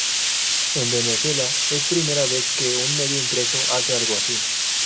En Venezuela es primera vez que un medio impreso hace algo así.